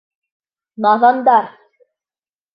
Наҙандар!